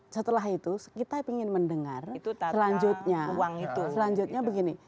setelah itu kita ingin mendengar selanjutnya begini